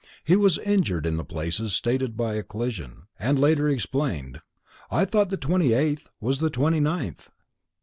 He was injured in the places stated by a collision and later explained: "I thought the twenty eighth was the twenty ninth."